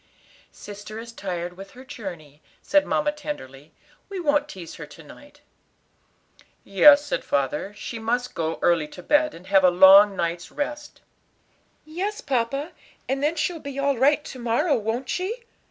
"Sister is tired with her journey," said mamma tenderly; "we won't tease her to night." "Yes," said her father, "she must go early to bed, and have a long night's rest." "Yes, papa, and then she'll be all right to morrow, won't she?